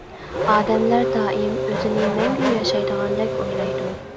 ئادەملەر دائىم ئۆزىنى مەڭگۈ ياشايدىغاندەك ئويلايدۇ.